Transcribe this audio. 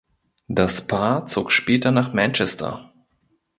Das Paar zog später nach Manchester.